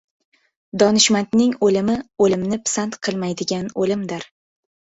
Donishmandning o‘limi o‘lim-ni pisand qilmaydigan o‘limdir.